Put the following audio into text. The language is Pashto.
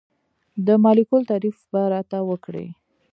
د مالیکول تعریف به راته وکړئ.